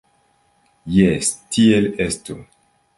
Jes, tiel estu.